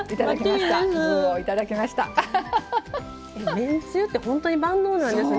めんつゆって本当に万能なんですね。